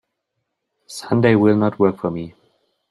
Sunday will not work for me.